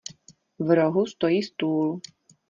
V rohu stojí stůl.